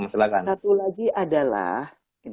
silahkan satu lagi adalah